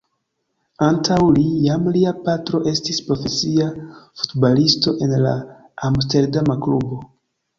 Antaŭ li, jam lia patro estis profesia futbalisto en la amsterdama klubo.